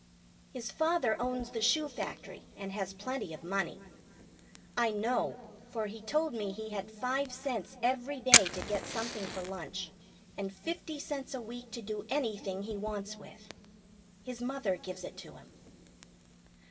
His father owns the shoe factory, and has plenty of money. I know, for he told me he had five cents every day to get something for lunch, and fifty cents a week to do anything he wants with. His mother gives it to him.